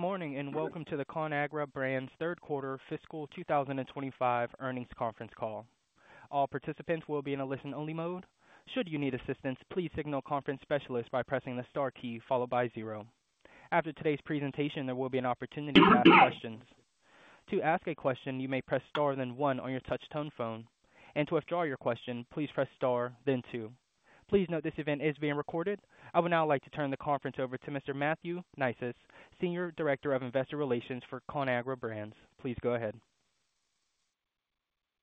Good morning and welcome to the Conagra Brands Third Quarter Fiscal 2025 Earnings Conference Call. All participants will be in a listen-only mode. Should you need assistance, please signal a conference specialist by pressing the star key followed by zero. After today's presentation, there will be an opportunity to ask questions. To ask a question, you may press star then one on your touch-tone phone. To withdraw your question, please press star then two. Please note this event is being recorded. I would now like to turn the conference over to Mr. Matthew Neisius, Senior Director of Investor Relations for Conagra Brands. Please go ahead.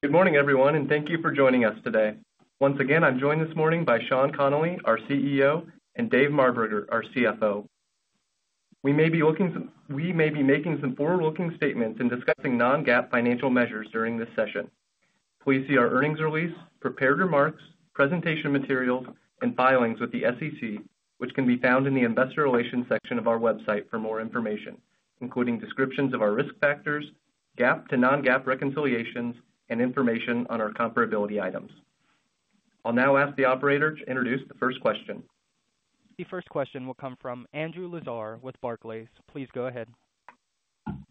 Good morning, everyone, and thank you for joining us today. Once again, I'm joined this morning by Sean Connolly, our CEO, and David Marberger, our CFO. We may be making some forward-looking statements and discussing non-GAAP financial measures during this session. Please see our earnings release, prepared remarks, presentation materials, and filings with the SEC, which can be found in the Investor Relations section of our website for more information, including descriptions of our risk factors, GAAP to non-GAAP reconciliations, and information on our comparability items. I'll now ask the operator to introduce the first question. The first question will come from Andrew Lazar with Barclays. Please go ahead.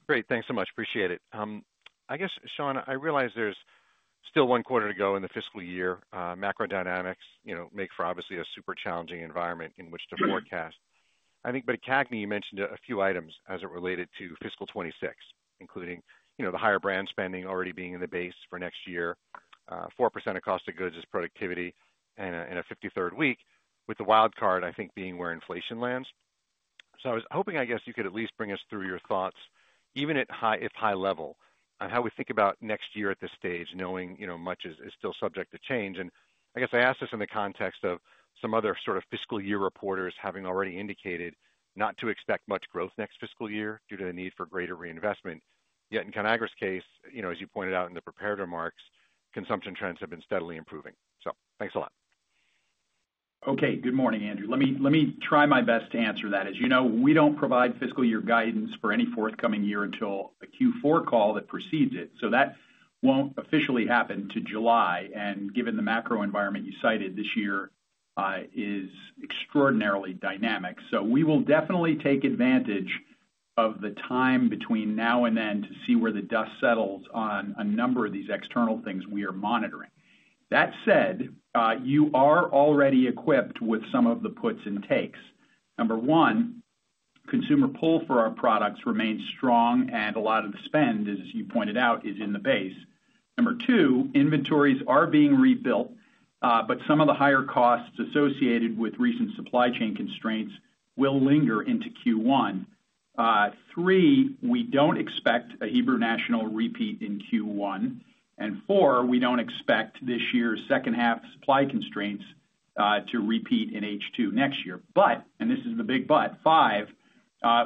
Great. Thanks so much. Appreciate it. I guess, Sean, I realize there's still one quarter to go in the fiscal year. Macro dynamics make for, obviously, a super challenging environment in which to forecast. I think, at CAGNI, you mentioned a few items as it related to fiscal 2026, including the higher brand spending already being in the base for next year, 4% of cost of goods is productivity, and a 53rd week with the wild card, I think, being where inflation lands. I was hoping, I guess, you could at least bring us through your thoughts, even at high level, on how we think about next year at this stage, knowing much is still subject to change. I guess I ask this in the context of some other sort of fiscal year reporters having already indicated not to expect much growth next fiscal year due to the need for greater reinvestment. Yet in Conagra's case, as you pointed out in the prepared remarks, consumption trends have been steadily improving. Thanks a lot. Okay. Good morning, Andrew. Let me try my best to answer that. As you know, we do not provide fiscal year guidance for any forthcoming year until a Q4 call that precedes it. That will not officially happen until July. Given the macro environment you cited, this year is extraordinarily dynamic. We will definitely take advantage of the time between now and then to see where the dust settles on a number of these external things we are monitoring. That said, you are already equipped with some of the puts and takes. Number one, consumer pull for our products remains strong, and a lot of the spend, as you pointed out, is in the base. Number two, inventories are being rebuilt, but some of the higher costs associated with recent supply chain constraints will linger into Q1. Three, we do not expect a Hebrew National repeat in Q1. We do not expect this year's second half supply constraints to repeat in H2 next year. However, and this is the big but,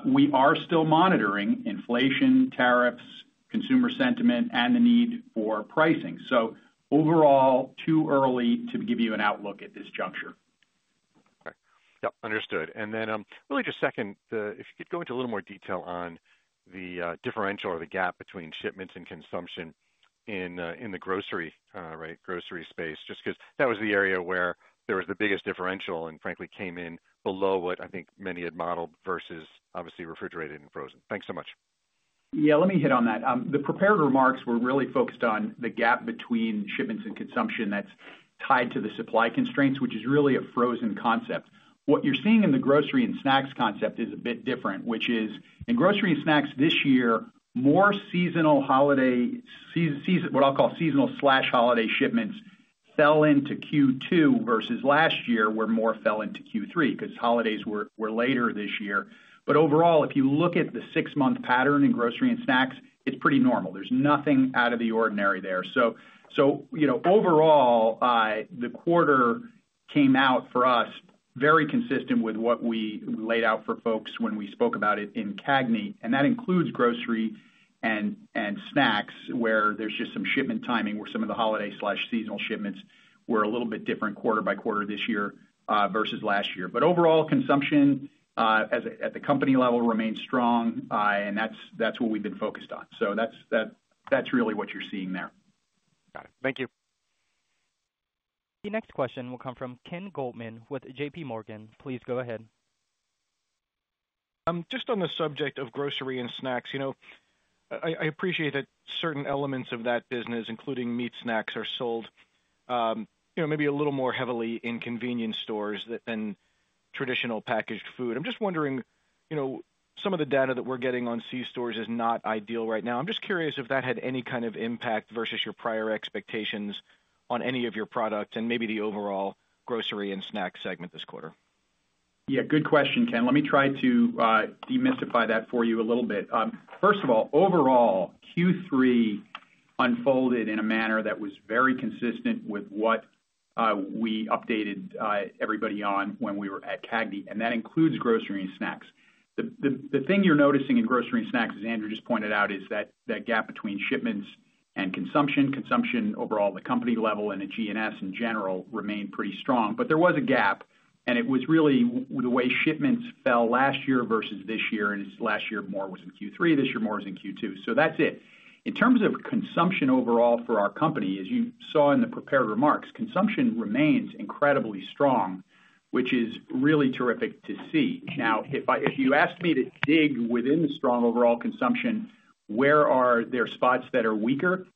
we are still monitoring inflation, tariffs, consumer sentiment, and the need for pricing. Overall, it is too early to give you an outlook at this juncture. Okay. Yep. Understood. If you could go into a little more detail on the differential or the gap between shipments and consumption in the grocery space, just because that was the area where there was the biggest differential and frankly came in below what I think many had modeled versus obviously refrigerated and frozen. Thanks so much. Yeah. Let me hit on that. The prepared remarks were really focused on the gap between shipments and consumption that's tied to the supply constraints, which is really a frozen concept. What you're seeing in the grocery and snacks concept is a bit different, which is in grocery and snacks this year, more seasonal holiday, what I'll call seasonal slash holiday shipments fell into Q2 versus last year where more fell into Q3 because holidays were later this year. If you look at the six-month pattern in grocery and snacks, it's pretty normal. There's nothing out of the ordinary there. Overall, the quarter came out for us very consistent with what we laid out for folks when we spoke about it in CAGNI. That includes grocery and snacks where there's just some shipment timing where some of the holiday slash seasonal shipments were a little bit different quarter by quarter this year versus last year. Overall, consumption at the company level remains strong, and that's what we've been focused on. That's really what you're seeing there. Got it. Thank you. The next question will come from Ken Goldman with JPMorgan. Please go ahead. Just on the subject of grocery and snacks, I appreciate that certain elements of that business, including meat snacks, are sold maybe a little more heavily in convenience stores than traditional packaged food. I'm just wondering, some of the data that we're getting on C-stores is not ideal right now. I'm just curious if that had any kind of impact versus your prior expectations on any of your products and maybe the overall grocery and snacks segment this quarter. Yeah. Good question, Ken. Let me try to demystify that for you a little bit. First of all, overall, Q3 unfolded in a manner that was very consistent with what we updated everybody on when we were at CAGNI. That includes grocery and snacks. The thing you're noticing in grocery and snacks, as Andrew just pointed out, is that gap between shipments and consumption, consumption overall at the company level and at G&S in general remained pretty strong. There was a gap, and it was really the way shipments fell last year versus this year. Last year, more was in Q3. This year, more was in Q2. That is it. In terms of consumption overall for our company, as you saw in the prepared remarks, consumption remains incredibly strong, which is really terrific to see. Now, if you asked me to dig within the strong overall consumption, where are there spots that are weaker?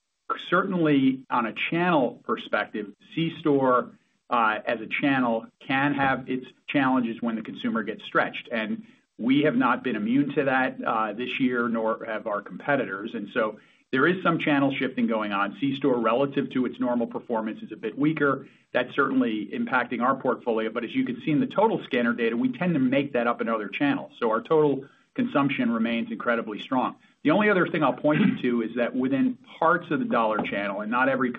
Certainly, on a channel perspective, C-store as a channel can have its challenges when the consumer gets stretched. We have not been immune to that this year, nor have our competitors. There is some channel shifting going on. C-store relative to its normal performance is a bit weaker. That is certainly impacting our portfolio. As you can see in the total scanner data, we tend to make that up in other channels. Our total consumption remains incredibly strong. The only other thing I will point you to is that within parts of the dollar channel, and not every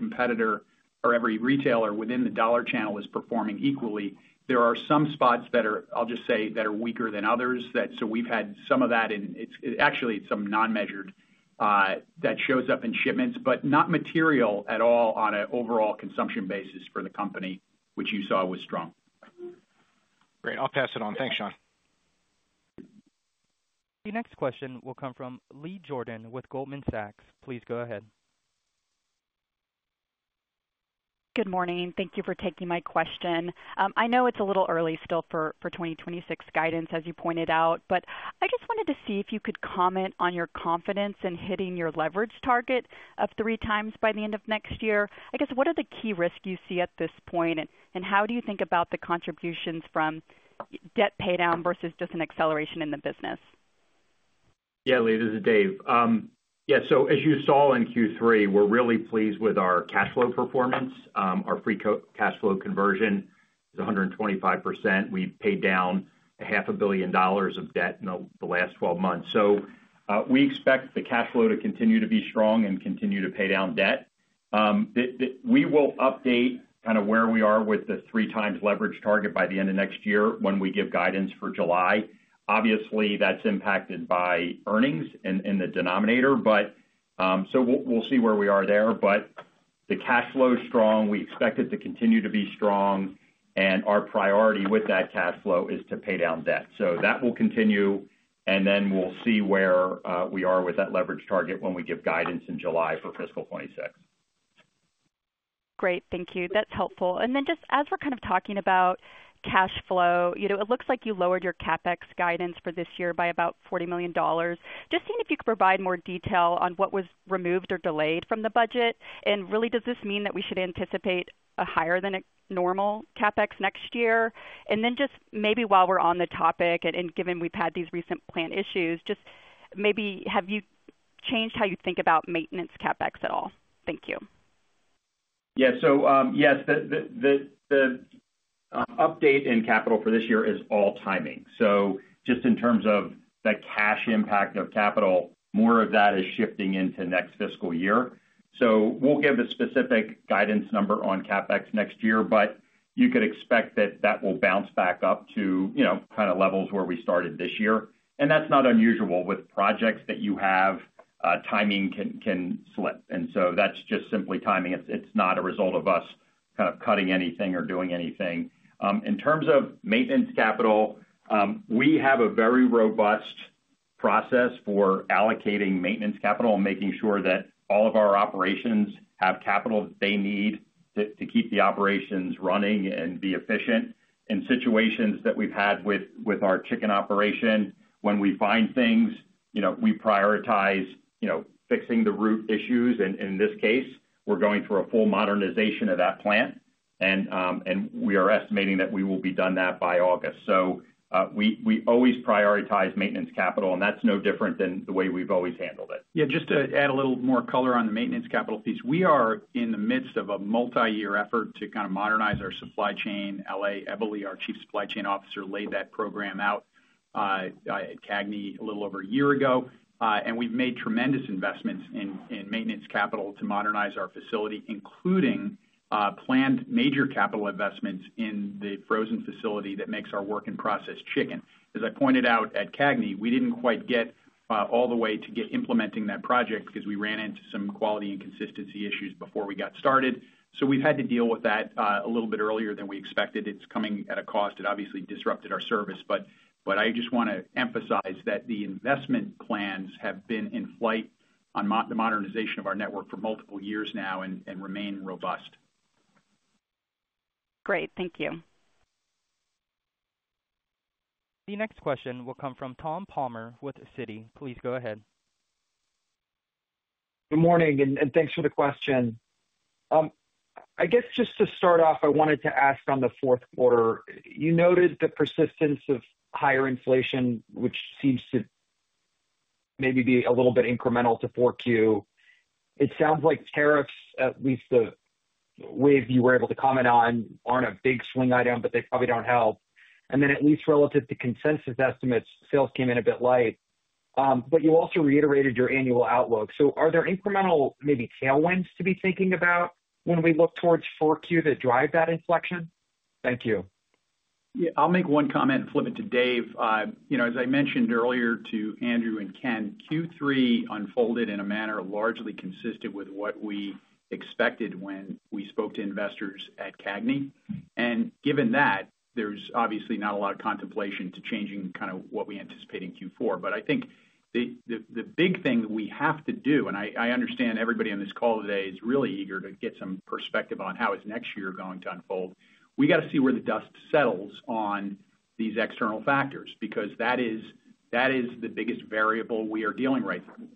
competitor or every retailer within the dollar channel is performing equally. There are some spots that are, I will just say, that are weaker than others. We have had some of that, and actually, it is some non-measured that shows up in shipments, but not material at all on an overall consumption basis for the company, which you saw was strong. Great. I'll pass it on. Thanks, Sean. The next question will come from Leah Jordan with Goldman Sachs. Please go ahead. Good morning. Thank you for taking my question. I know it's a little early still for 2026 guidance, as you pointed out, but I just wanted to see if you could comment on your confidence in hitting your leverage target of three times by the end of next year. I guess, what are the key risks you see at this point, and how do you think about the contributions from debt paydown versus just an acceleration in the business? Yeah, Leah, this is Dave. Yeah. As you saw in Q3, we're really pleased with our cash flow performance. Our free cash flow conversion is 125%. We've paid down $500,000,000 of debt in the last 12 months. We expect the cash flow to continue to be strong and continue to pay down debt. We will update kind of where we are with the three times leverage target by the end of next year when we give guidance for July. Obviously, that's impacted by earnings in the denominator. We'll see where we are there. The cash flow is strong. We expect it to continue to be strong. Our priority with that cash flow is to pay down debt. That will continue. We'll see where we are with that leverage target when we give guidance in July for fiscal 2026. Great. Thank you. That's helpful. Just as we're kind of talking about cash flow, it looks like you lowered your CapEx guidance for this year by about $40 million. Just seeing if you could provide more detail on what was removed or delayed from the budget. Really, does this mean that we should anticipate a higher than normal CapEx next year? Just maybe while we're on the topic, and given we've had these recent plan issues, maybe have you changed how you think about maintenance CapEx at all? Thank you. Yeah. Yes, the update in capital for this year is all timing. Just in terms of the cash impact of capital, more of that is shifting into next fiscal year. We'll give a specific guidance number on CapEx next year, but you could expect that that will bounce back up to kind of levels where we started this year. That's not unusual with projects that you have; timing can slip. That's just simply timing. It's not a result of us kind of cutting anything or doing anything. In terms of maintenance capital, we have a very robust process for allocating maintenance capital and making sure that all of our operations have capital that they need to keep the operations running and be efficient. In situations that we've had with our chicken operation, when we find things, we prioritize fixing the root issues. In this case, we're going through a full modernization of that plant. We are estimating that we will be done that by August. We always prioritize maintenance capital, and that's no different than the way we've always handled it. Yeah. Just to add a little more color on the maintenance capital piece, we are in the midst of a multi-year effort to kind of modernize our supply chain. Ale Eboli, our Chief Supply Chain Officer, laid that program out at CAGNI a little over a year ago. We have made tremendous investments in maintenance capital to modernize our facility, including planned major capital investments in the frozen facility that makes our work in process chicken. As I pointed out at CAGNI, we did not quite get all the way to implementing that project because we ran into some quality and consistency issues before we got started. We have had to deal with that a little bit earlier than we expected. It is coming at a cost. It obviously disrupted our service. I just want to emphasize that the investment plans have been in flight on the modernization of our network for multiple years now and remain robust. Great. Thank you. The next question will come from Tom Palmer with Citi. Please go ahead. Good morning. Thanks for the question. I guess just to start off, I wanted to ask on the fourth quarter, you noted the persistence of higher inflation, which seems to maybe be a little bit incremental to 4Q. It sounds like tariffs, at least the way you were able to comment on, are not a big swing item, but they probably do not help. At least relative to consensus estimates, sales came in a bit light. You also reiterated your annual outlook. Are there incremental maybe tailwinds to be thinking about when we look towards 4Q that drive that inflection? Thank you. Yeah. I'll make one comment and flip it to Dave. As I mentioned earlier to Andrew and Ken, Q3 unfolded in a manner largely consistent with what we expected when we spoke to investors at CAGNI. Given that, there's obviously not a lot of contemplation to changing kind of what we anticipate in Q4. I think the big thing that we have to do, and I understand everybody on this call today is really eager to get some perspective on how is next year going to unfold. We got to see where the dust settles on these external factors because that is the biggest variable we are dealing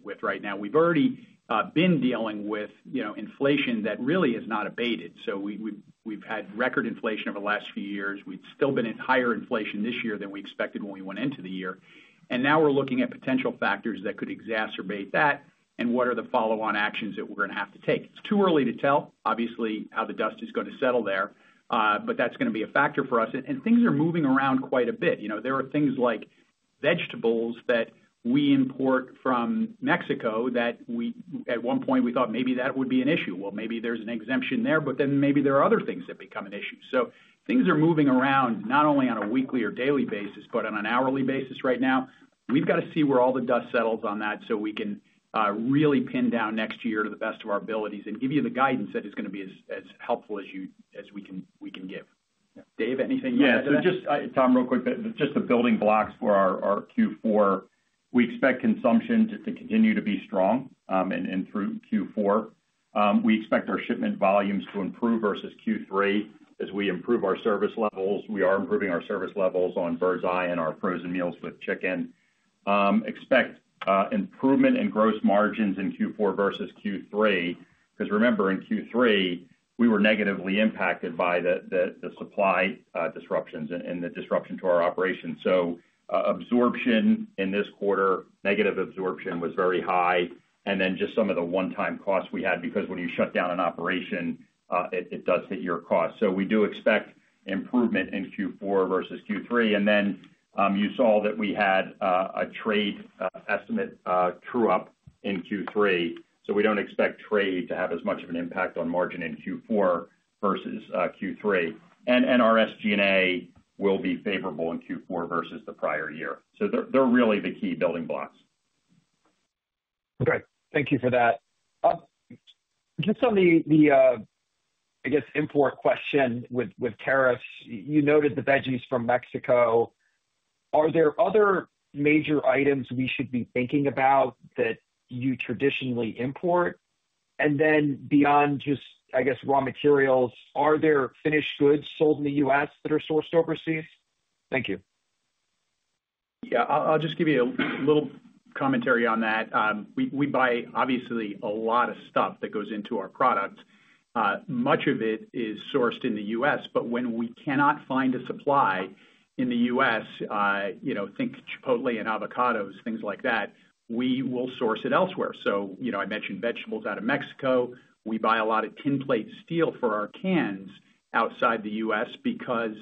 with right now. We've already been dealing with inflation that really has not abated. We've had record inflation over the last few years. We've still been in higher inflation this year than we expected when we went into the year. Now we're looking at potential factors that could exacerbate that and what are the follow-on actions that we're going to have to take. It's too early to tell, obviously, how the dust is going to settle there, but that's going to be a factor for us. Things are moving around quite a bit. There are things like vegetables that we import from Mexico that at one point we thought maybe that would be an issue. Maybe there's an exemption there, but then maybe there are other things that become an issue. Things are moving around not only on a weekly or daily basis, but on an hourly basis right now. We've got to see where all the dust settles on that so we can really pin down next year to the best of our abilities and give you the guidance that is going to be as helpful as we can give. Dave, anything you want to add? Yeah. Just, Tom, real quick, just the building blocks for our Q4. We expect consumption to continue to be strong and through Q4. We expect our shipment volumes to improve versus Q3. As we improve our service levels, we are improving our service levels on Birds Eye and our frozen meals with chicken. Expect improvement in gross margins in Q4 versus Q3 because remember, in Q3, we were negatively impacted by the supply disruptions and the disruption to our operations. Absorption in this quarter, negative absorption was very high. Just some of the one-time costs we had because when you shut down an operation, it does hit your cost. We do expect improvement in Q4 versus Q3. You saw that we had a trade estimate true-up in Q3. We do not expect trade to have as much of an impact on margin in Q4 versus Q3. Our SG&A will be favorable in Q4 versus the prior year. They are really the key building blocks. Okay. Thank you for that. Just on the, I guess, import question with tariffs, you noted the veggies from Mexico. Are there other major items we should be thinking about that you traditionally import? And then beyond just, I guess, raw materials, are there finished goods sold in the U.S. that are sourced overseas? Thank you. Yeah. I'll just give you a little commentary on that. We buy, obviously, a lot of stuff that goes into our products. Much of it is sourced in the U.S. But when we cannot find a supply in the U.S., think Chipotle and avocados, things like that, we will source it elsewhere. I mentioned vegetables out of Mexico. We buy a lot of tin plate steel for our cans outside the U.S. because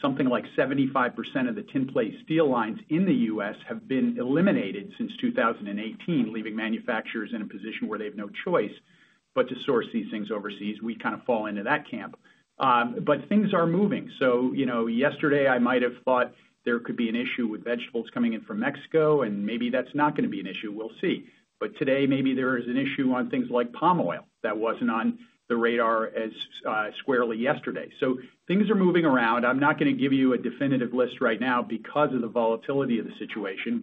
something like 75% of the tin plate steel lines in the U.S. have been eliminated since 2018, leaving manufacturers in a position where they have no choice but to source these things overseas. We kind of fall into that camp. Things are moving. Yesterday, I might have thought there could be an issue with vegetables coming in from Mexico, and maybe that's not going to be an issue. We'll see. Today, maybe there is an issue on things like palm oil that was not on the radar as squarely yesterday. Things are moving around. I'm not going to give you a definitive list right now because of the volatility of the situation.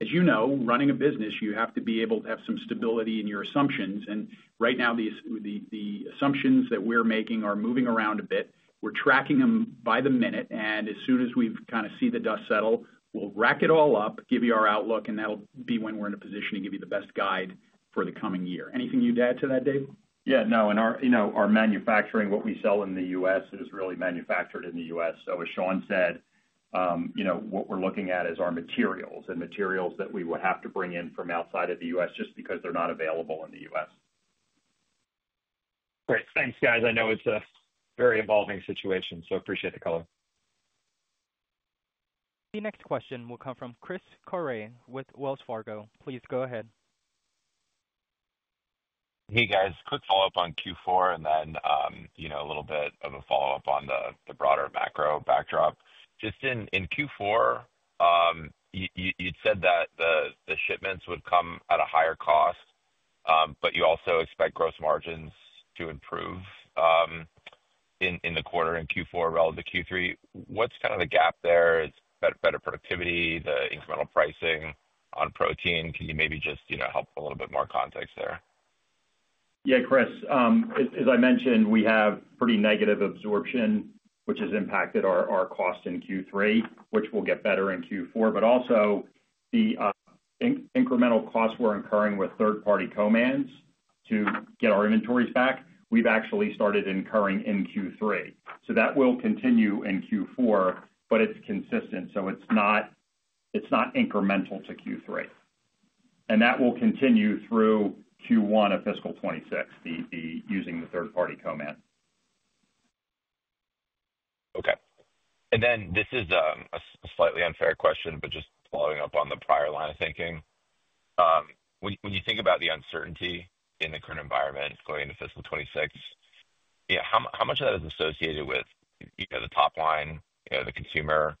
As you know, running a business, you have to be able to have some stability in your assumptions. Right now, the assumptions that we're making are moving around a bit. We're tracking them by the minute. As soon as we kind of see the dust settle, we'll rack it all up, give you our outlook, and that'll be when we're in a position to give you the best guide for the coming year. Anything you'd add to that, Dave? Yeah. No. Our manufacturing, what we sell in the U.S., is really manufactured in the U.S. As Sean said, what we're looking at is our materials and materials that we would have to bring in from outside of the U.S. just because they're not available in the U.S. Great. Thanks, guys. I know it's a very evolving situation, so appreciate the color. The next question will come from Chris Carey with Wells Fargo. Please go ahead. Hey, guys. Quick follow-up on Q4 and then a little bit of a follow-up on the broader macro backdrop. Just in Q4, you'd said that the shipments would come at a higher cost, but you also expect gross margins to improve in the quarter in Q4 relative to Q3. What's kind of the gap there? Is it better productivity, the incremental pricing on protein? Can you maybe just help a little bit more context there? Yeah, Chris. As I mentioned, we have pretty negative absorption, which has impacted our cost in Q3, which will get better in Q4. Also, the incremental costs we're incurring with third-party co-mans to get our inventories back, we've actually started incurring in Q3. That will continue in Q4, but it's consistent. It's not incremental to Q3. That will continue through Q1 of fiscal 2026, using the third-party co-man. Okay. This is a slightly unfair question, but just following up on the prior line of thinking. When you think about the uncertainty in the current environment going into fiscal 2026, how much of that is associated with the top line, the consumer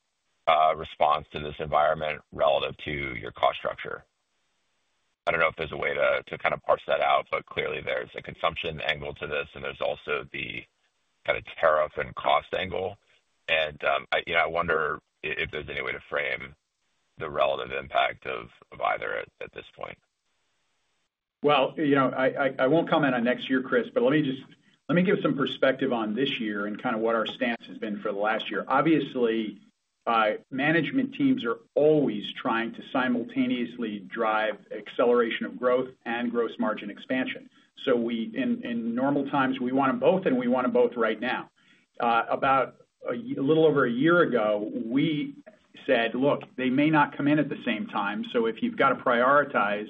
response to this environment relative to your cost structure? I do not know if there is a way to kind of parse that out, but clearly, there is a consumption angle to this, and there is also the kind of tariff and cost angle. I wonder if there is any way to frame the relative impact of either at this point. I won't comment on next year, Chris, but let me give some perspective on this year and kind of what our stance has been for the last year. Obviously, management teams are always trying to simultaneously drive acceleration of growth and gross margin expansion. In normal times, we want them both, and we want them both right now. About a little over a year ago, we said, "Look, they may not come in at the same time. If you've got to prioritize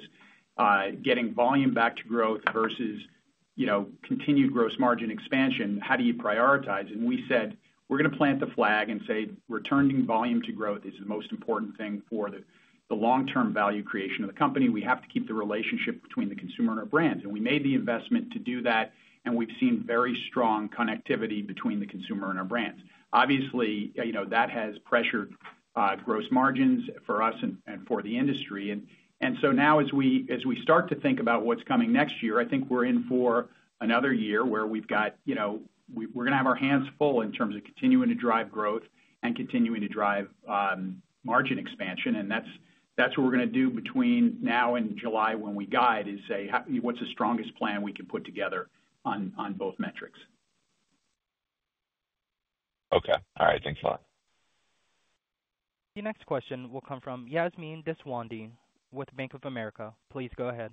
getting volume back to growth versus continued gross margin expansion, how do you prioritize?" We said, "We're going to plant the flag and say returning volume to growth is the most important thing for the long-term value creation of the company. We have to keep the relationship between the consumer and our brands. We made the investment to do that, and we've seen very strong connectivity between the consumer and our brands. Obviously, that has pressured gross margins for us and for the industry. Now, as we start to think about what's coming next year, I think we're in for another year where we're going to have our hands full in terms of continuing to drive growth and continuing to drive margin expansion. That's what we're going to do between now and July when we guide is say, "What's the strongest plan we can put together on both metrics? Okay. All right. Thanks a lot. The next question will come from Yasmeen Deswande with Bank of America. Please go ahead.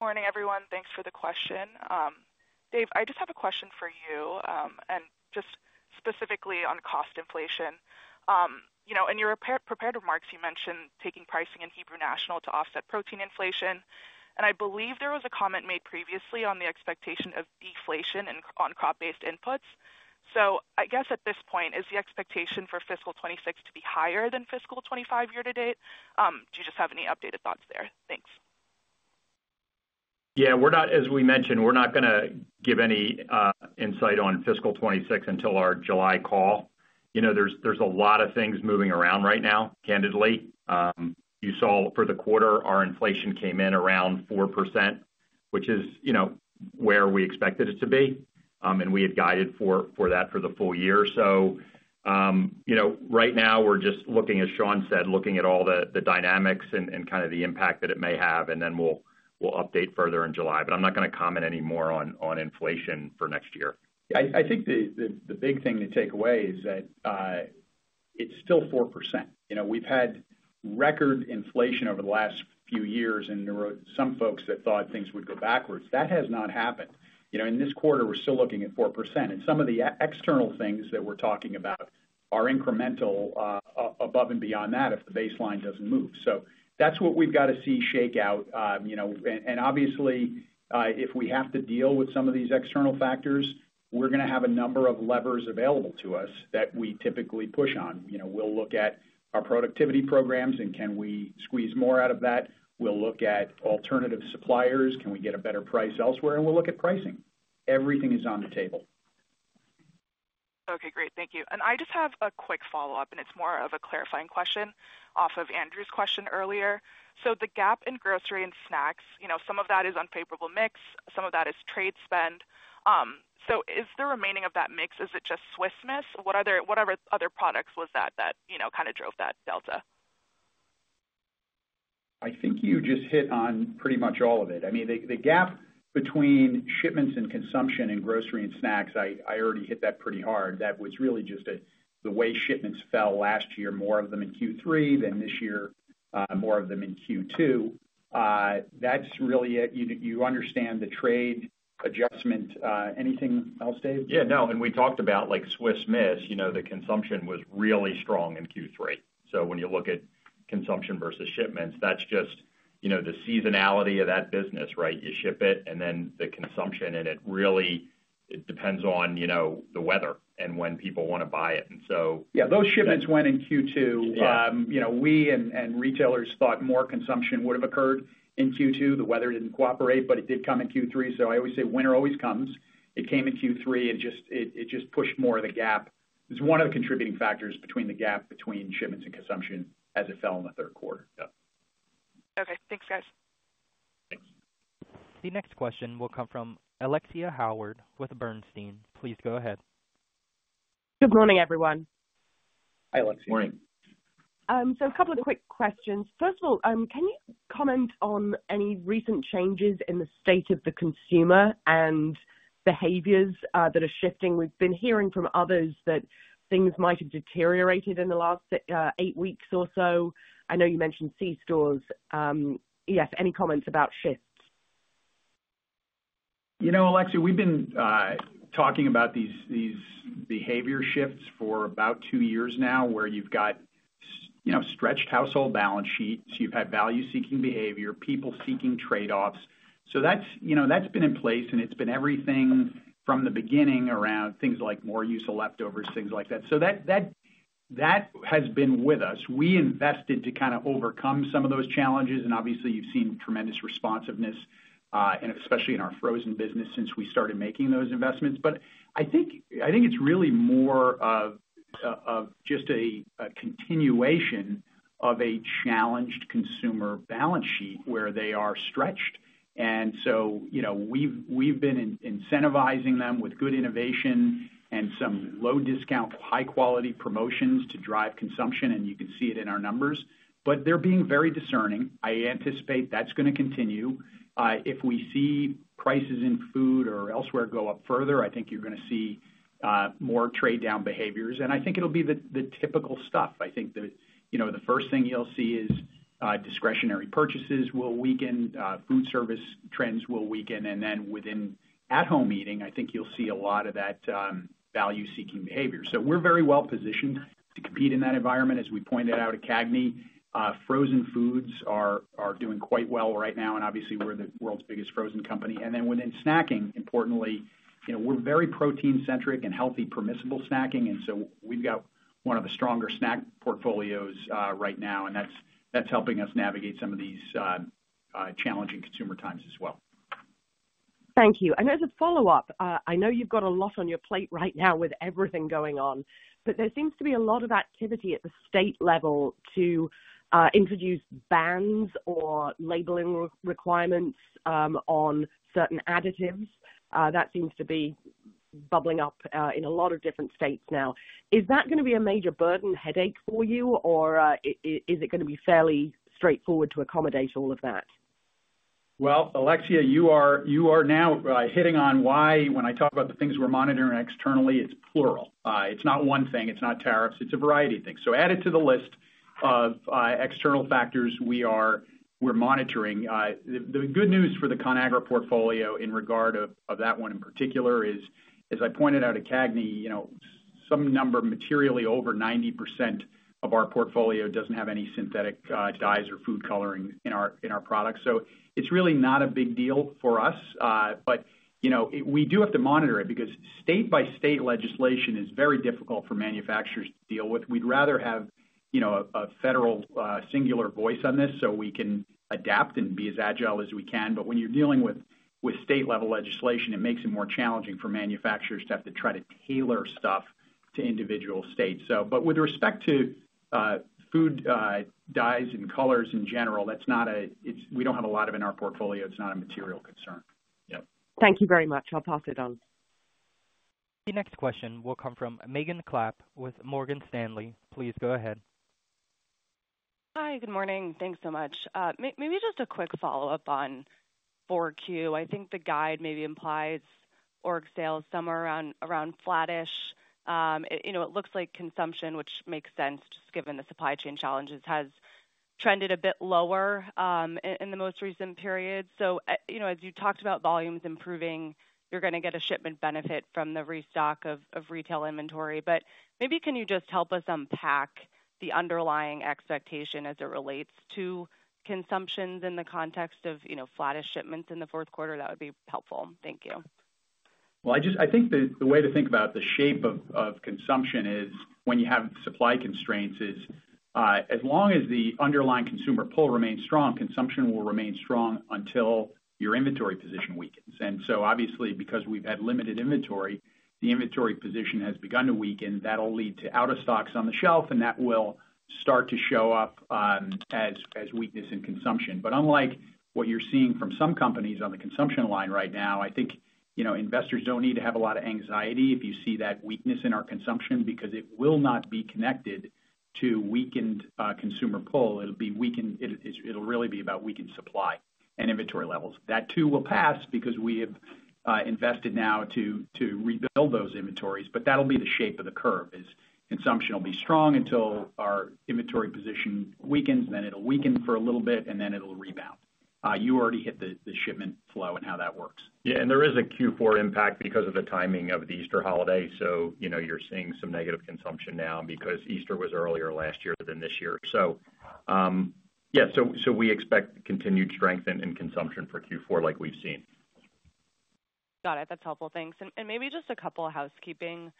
Morning, everyone. Thanks for the question. Dave, I just have a question for you and just specifically on cost inflation. In your prepared remarks, you mentioned taking pricing in Hebrew National to offset protein inflation. And I believe there was a comment made previously on the expectation of deflation on crop-based inputs. I guess at this point, is the expectation for fiscal 2026 to be higher than fiscal 2025 year to date? Do you just have any updated thoughts there? Thanks. Yeah. As we mentioned, we're not going to give any insight on fiscal 2026 until our July call. There's a lot of things moving around right now, candidly. You saw for the quarter, our inflation came in around 4%, which is where we expected it to be. We had guided for that for the full year. Right now, we're just looking, as Sean said, looking at all the dynamics and kind of the impact that it may have, and then we'll update further in July. I'm not going to comment any more on inflation for next year. I think the big thing to take away is that it's still 4%. We've had record inflation over the last few years, and there were some folks that thought things would go backwards. That has not happened. In this quarter, we're still looking at 4%. Some of the external things that we're talking about are incremental above and beyond that if the baseline doesn't move. That is what we've got to see shake out. Obviously, if we have to deal with some of these external factors, we're going to have a number of levers available to us that we typically push on. We'll look at our productivity programs and can we squeeze more out of that. We'll look at alternative suppliers. Can we get a better price elsewhere? We'll look at pricing. Everything is on the table. Okay. Great. Thank you. I just have a quick follow-up, and it's more of a clarifying question off of Andrew's question earlier. The gap in grocery and snacks, some of that is unfavorable mix. Some of that is trade spend. Is the remaining of that mix, is it just Swiss Miss? What other products was that that kind of drove that delta? I think you just hit on pretty much all of it. I mean, the gap between shipments and consumption in grocery and snacks, I already hit that pretty hard. That was really just the way shipments fell last year, more of them in Q3 than this year, more of them in Q2. That's really it. You understand the trade adjustment. Anything else, Dave? Yeah. No. We talked about Swiss Miss. The consumption was really strong in Q3. When you look at consumption versus shipments, that's just the seasonality of that business, right? You ship it, and then the consumption, and it really depends on the weather and when people want to buy it. Those shipments went in Q2. We and retailers thought more consumption would have occurred in Q2. The weather did not cooperate, but it did come in Q3. I always say winter always comes. It came in Q3, and it just pushed more of the gap. It was one of the contributing factors between the gap between shipments and consumption as it fell in the third quarter. Yeah. Okay. Thanks, guys. The next question will come from Alexia Howard with Bernstein. Please go ahead. Good morning, everyone. Hi, Alexia. Morning. A couple of quick questions. First of all, can you comment on any recent changes in the state of the consumer and behaviors that are shifting? We've been hearing from others that things might have deteriorated in the last eight weeks or so. I know you mentioned C stores. Yes, any comments about shifts? You know, Alexia, we've been talking about these behavior shifts for about two years now where you've got stretched household balance sheets. You've had value-seeking behavior, people seeking trade-offs. That has been in place, and it's been everything from the beginning around things like more useful leftovers, things like that. That has been with us. We invested to kind of overcome some of those challenges. Obviously, you've seen tremendous responsiveness, especially in our frozen business since we started making those investments. I think it's really more of just a continuation of a challenged consumer balance sheet where they are stretched. We have been incentivizing them with good innovation and some low-discount, high-quality promotions to drive consumption. You can see it in our numbers. They're being very discerning. I anticipate that's going to continue. If we see prices in food or elsewhere go up further, I think you're going to see more trade-down behaviors. I think it'll be the typical stuff. I think the first thing you'll see is discretionary purchases will weaken, food service trends will weaken, and then within at-home eating, I think you'll see a lot of that value-seeking behavior. We are very well positioned to compete in that environment. As we pointed out at CAGNI, frozen foods are doing quite well right now, and obviously, we're the world's biggest frozen company. Within snacking, importantly, we're very protein-centric and healthy, permissible snacking. We have one of the stronger snack portfolios right now, and that's helping us navigate some of these challenging consumer times as well. Thank you. As a follow-up, I know you've got a lot on your plate right now with everything going on, but there seems to be a lot of activity at the state level to introduce bans or labeling requirements on certain additives. That seems to be bubbling up in a lot of different states now. Is that going to be a major burden headache for you, or is it going to be fairly straightforward to accommodate all of that? Alexia, you are now hitting on why when I talk about the things we're monitoring externally, it's plural. It's not one thing. It's not tariffs. It's a variety of things. Add it to the list of external factors we're monitoring. The good news for the Conagra portfolio in regard of that one in particular is, as I pointed out at CAGNI, some number materially over 90% of our portfolio doesn't have any synthetic dyes or food coloring in our products. It's really not a big deal for us, but we do have to monitor it because state-by-state legislation is very difficult for manufacturers to deal with. We'd rather have a federal singular voice on this so we can adapt and be as agile as we can. When you're dealing with state-level legislation, it makes it more challenging for manufacturers to have to try to tailor stuff to individual states. With respect to food dyes and colors in general, we do not have a lot of it in our portfolio. It is not a material concern. Yeah. Thank you very much. I'll pass it on. The next question will come from Megan Clapp with Morgan Stanley. Please go ahead. Hi, good morning. Thanks so much. Maybe just a quick follow-up on 4Q. I think the guide maybe implies org sales somewhere around flattish. It looks like consumption, which makes sense just given the supply chain challenges, has trended a bit lower in the most recent period. As you talked about volumes improving, you're going to get a shipment benefit from the restock of retail inventory. Maybe can you just help us unpack the underlying expectation as it relates to consumptions in the context of flattish shipments in the fourth quarter? That would be helpful. Thank you. I think the way to think about the shape of consumption is when you have supply constraints, as long as the underlying consumer pull remains strong, consumption will remain strong until your inventory position weakens. Obviously, because we've had limited inventory, the inventory position has begun to weaken. That'll lead to out-of-stocks on the shelf, and that will start to show up as weakness in consumption. Unlike what you're seeing from some companies on the consumption line right now, I think investors don't need to have a lot of anxiety if you see that weakness in our consumption because it will not be connected to weakened consumer pull. It'll really be about weakened supply and inventory levels. That too will pass because we have invested now to rebuild those inventories, but that'll be the shape of the curve. Consumption will be strong until our inventory position weakens. Then it'll weaken for a little bit, and then it'll rebound. You already hit the shipment flow and how that works. Yeah. There is a Q4 impact because of the timing of the Easter holiday. You are seeing some negative consumption now because Easter was earlier last year than this year. We expect continued strength in consumption for Q4 like we have seen. Got it. That's helpful. Thanks. Maybe just a couple of housekeeping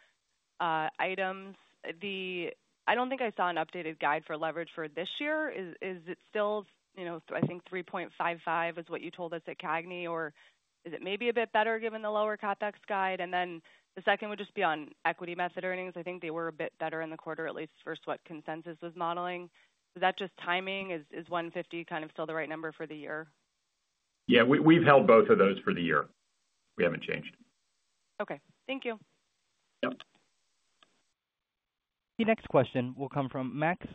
items. I don't think I saw an updated guide for leverage for this year. Is it still, I think, 3.55 is what you told us at CAGNI, or is it maybe a bit better given the lower CapEx guide? The second would just be on equity method earnings. I think they were a bit better in the quarter, at least for what consensus was modeling. Is that just timing? Is 150 kind of still the right number for the year? Yeah. We've held both of those for the year. We haven't changed. Okay. Thank you. Yeah. The next question will come from Max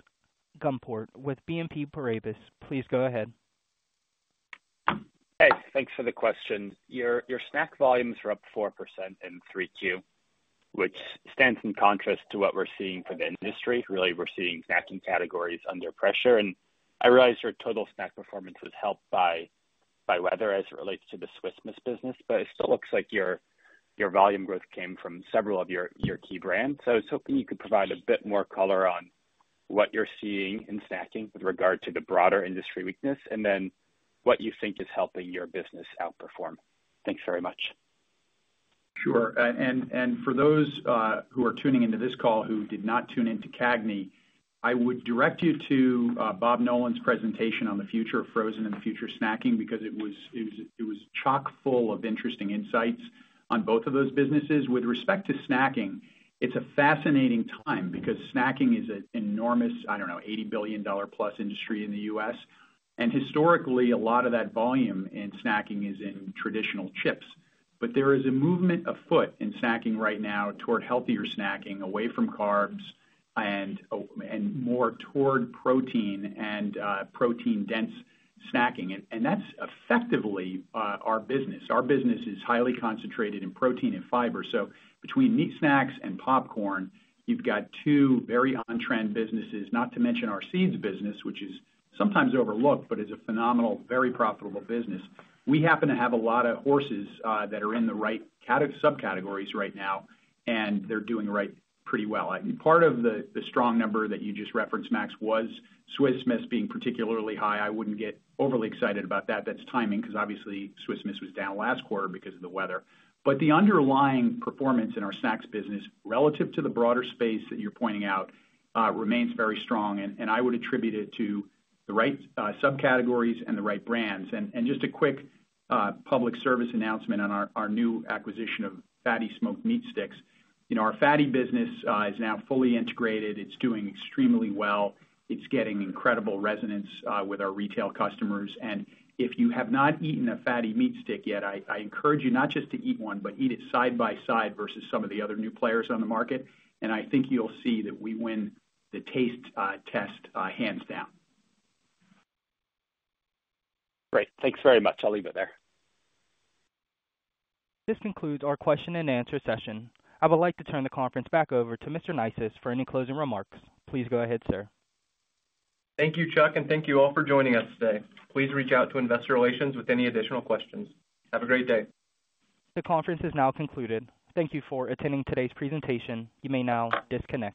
Gumport with BNP Paribas. Please go ahead. Hey, thanks for the question. Your snack volumes are up 4% in 3Q, which stands in contrast to what we're seeing for the industry. Really, we're seeing snacking categories under pressure. I realize your total snack performance was helped by weather as it relates to the Swiss Miss business, but it still looks like your volume growth came from several of your key brands. I was hoping you could provide a bit more color on what you're seeing in snacking with regard to the broader industry weakness and what you think is helping your business outperform. Thanks very much. Sure. For those who are tuning into this call who did not tune into CAGNI, I would direct you to Bob Nolan's presentation on the future of frozen and the future of snacking because it was chock-full of interesting insights on both of those businesses. With respect to snacking, it's a fascinating time because snacking is an enormous, I don't know, $80 billion-plus industry in the U.S. Historically, a lot of that volume in snacking is in traditional chips. There is a movement afoot in snacking right now toward healthier snacking, away from carbs, and more toward protein and protein-dense snacking. That's effectively our business. Our business is highly concentrated in protein and fiber. Between meat snacks and popcorn, you've got two very on-trend businesses, not to mention our seeds business, which is sometimes overlooked but is a phenomenal, very profitable business. We happen to have a lot of horses that are in the right subcategories right now, and they're doing pretty well. Part of the strong number that you just referenced, Max, was Swiss Miss being particularly high. I would not get overly excited about that. That is timing because obviously, Swiss Miss was down last quarter because of the weather. The underlying performance in our snacks business relative to the broader space that you're pointing out remains very strong. I would attribute it to the right subcategories and the right brands. Just a quick public service announcement on our new acquisition of FATTY Smoked Meat Sticks. Our FATTY business is now fully integrated. It is doing extremely well. It is getting incredible resonance with our retail customers. If you have not eaten a FATTY meat stick yet, I encourage you not just to eat one, but eat it side by side versus some of the other new players on the market. I think you'll see that we win the taste test hands down. Great. Thanks very much. I'll leave it there. This concludes our question-and-answer session. I would like to turn the conference back over to Mr. Neisius for any closing remarks. Please go ahead, sir. Thank you, Chuck, and thank you all for joining us today. Please reach out to Investor Relations with any additional questions. Have a great day. The conference is now concluded. Thank you for attending today's presentation. You may now disconnect.